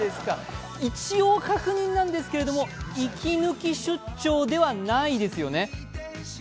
一応、確認なんですけれども息抜き出張ではないですよね？